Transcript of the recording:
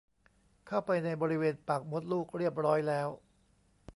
เข้าไปในบริเวณปากมดลูกเรียบร้อยแล้ว